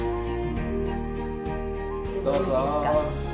どうぞ。